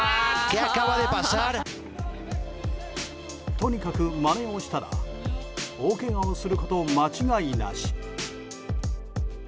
とにかく、まねをしたら大けがをすること間違いなし。